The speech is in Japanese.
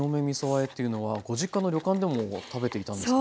あえっていうのはご実家の旅館でも食べていたんですか？